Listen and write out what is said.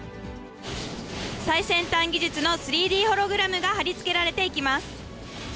最先端技術の３Ｄホログラムが貼り付けられていきます。